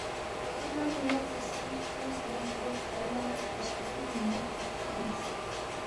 کھو ننگ نُو لوقسے سونگس، سونگسے نہ کھُوری فُرو لہ اشرفی دینار غافچوُ مِنس